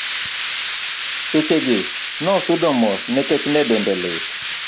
seche gi nosudo mos nikech ne dende lit